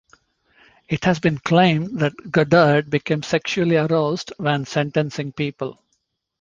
It has been claimed that Goddard became sexually aroused when sentencing people.